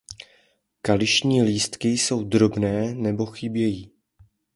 Kališní lístky jsou drobné nebo chybějí.